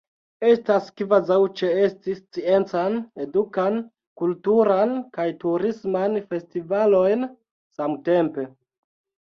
Estas kvazaŭ ĉeesti sciencan, edukan, kulturan kaj turisman festivalojn samtempe.